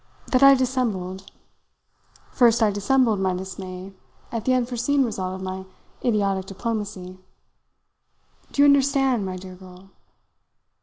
that I dissembled. First I dissembled my dismay at the unforeseen result of my idiotic diplomacy. Do you understand, my dear girl?"